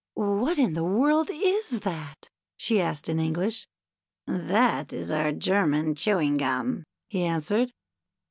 " What in the world is that ?" she asked in English. "That is our German Chewing Gum," he answered.